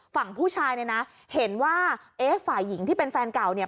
ฝั่งผู้ชายเนี่ยนะเห็นว่าเอ๊ะฝ่ายหญิงที่เป็นแฟนเก่าเนี่ย